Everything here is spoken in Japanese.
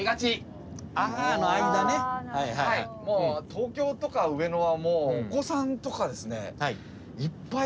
東京とか上野はお子さんとかですねいっぱい